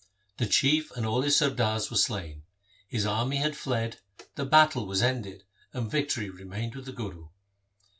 The Chief and all his sardars were slain, his army had fled, the battle was ended, and victory remained with the Guru.